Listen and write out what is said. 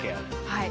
はい。